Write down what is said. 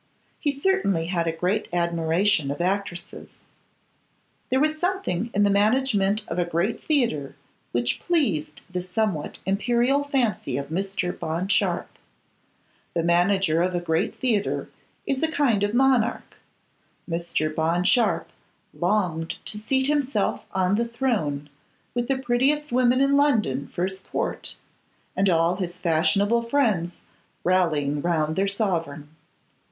He certainly had a great admiration of actresses. There was something in the management of a great theatre which pleased the somewhat imperial fancy of Mr. Bond Sharpe. The manager of a great theatre is a kind of monarch. Mr. Bond Sharpe longed to seat himself on the throne, with the prettiest women in London for his court, and all his fashionable friends rallying round their sovereign.